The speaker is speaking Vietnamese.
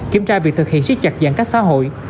kiểm tra việc thực hiện siết chặt giãn cách xã hội